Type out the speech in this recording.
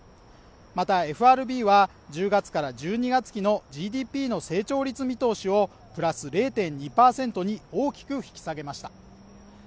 またＦＲＢは１０月から１２月期のＧＤＰの成長率見通しをプラス０．２％に大きく引き下げました０％